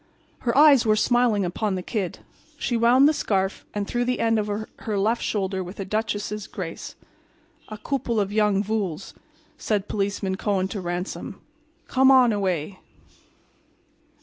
Her eyes were smiling upon the Kid. She wound the scarf and threw the end over her left shoulder with a duchess' grace. "A gouple of young vools," said Policeman Kohen to Ransom; "come on away."